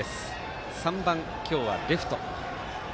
３番、今日はレフト。